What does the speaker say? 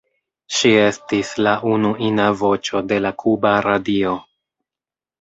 Ŝi estis la unu ina voĉo de la kuba radio.